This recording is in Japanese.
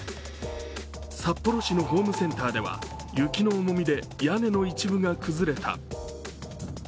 札幌市のホームセンターでは雪の重みで屋根の一部が崩れた。